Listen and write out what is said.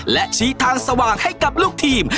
และชี้ทางสว่างให้กับลูกทีม